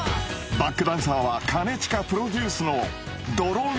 バックダンサーは兼近プロデュースの泥水